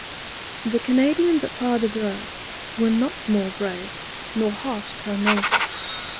The Canadians at Paardeberg were not more brave, nor half so noisy.